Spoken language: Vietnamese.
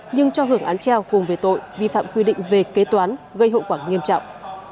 nhưng cho hưởng án treo cùng về tội vi phạm quy định về kế toán gây hậu quả nghiêm trọng